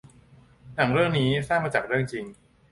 หนังเรื่องนี้สร้างมาจากเรื่องจริง